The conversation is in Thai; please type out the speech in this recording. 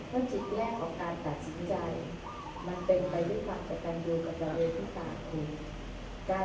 เพราะจิตแรกของการตัดสินใจมันเป็นไปด้วยกับการดูกับเราเองทุกท่าคืน